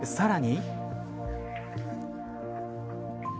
さらに。